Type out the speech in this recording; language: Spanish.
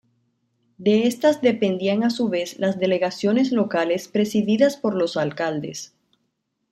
De estas dependían a su vez las delegaciones locales presididas por los alcaldes.